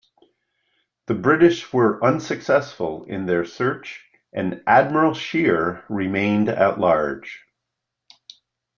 The British were unsuccessful in their search and "Admiral Scheer" remained at large.